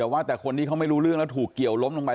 แต่ว่าแต่คนที่เขาไม่รู้เรื่องแล้วถูกเกี่ยวล้มลงไป